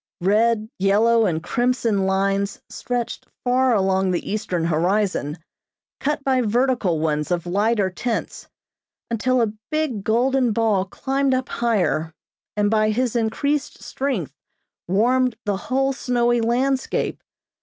Red, yellow and crimson lines stretched far along the eastern horizon, cut by vertical ones of lighter tints, until a big golden ball climbed up higher, and by his increased strength warmed the whole snowy landscape.